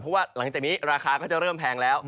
เพราะว่าหลังจากนี้ราคาก็จะเริ่มแพงแล้ว